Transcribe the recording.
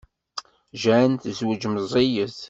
Jane tezweǧ meẓẓiyet.